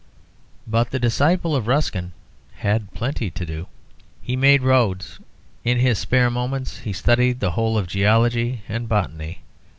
But the disciple of Ruskin had plenty to do. He made roads; in his spare moments he studied the whole of geology and botany.